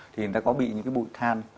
thì người ta có bị những cái bụi than